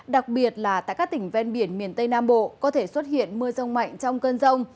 đặc biệt là tại các tỉnh ven biển miền tây nam bộ có thể xuất hiện mưa rông mạnh trong cơn rông